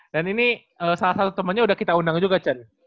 dan ini salah satu temennya udah kita undang juga chen